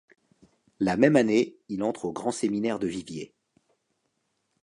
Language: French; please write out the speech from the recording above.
La même année, il entre au grand séminaire de Viviers.